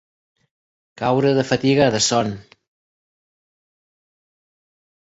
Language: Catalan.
Caure de fatiga, de son.